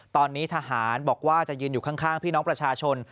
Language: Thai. ตอนนี้ทหารบอกว่าจะยืนอยู่ข้างพี่น้องประชาชน